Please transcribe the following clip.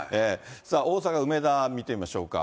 大阪・梅田見てみましょうか。